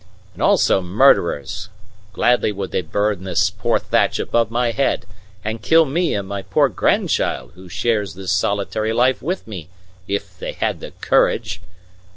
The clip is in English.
And also murderers; gladly would they burn this poor thatch above my head, and kill me and my poor grandchild, who shares this solitary life with me, if they had the courage.